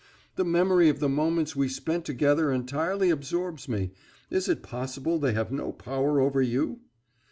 The memory of the moments we spent together entirely absorbs me; is it possible they have no power over you?"